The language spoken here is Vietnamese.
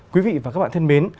quý vị và các bạn thân mến